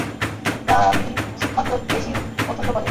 প্রাণীজ খাদ্য বেশি পছন্দ করে।